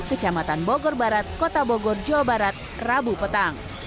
kecamatan bogor barat kota bogor jawa barat rabu petang